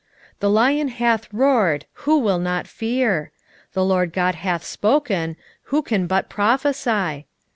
3:8 The lion hath roared, who will not fear? the Lord GOD hath spoken, who can but prophesy?